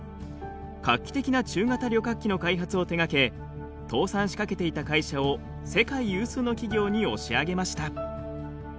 画期的な中型旅客機の開発を手がけ倒産しかけていた会社を世界有数の企業に押し上げました。